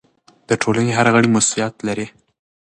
د ټولنې هر غړی مسؤلیت لري.